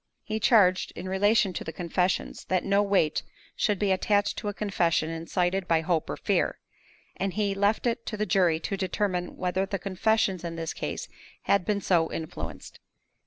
He charged, in relation to the confessions, that no weight should be attached to a confession incited by hope or fear; and he left it to the jury to determine whether the confessions in this case had been so influenced.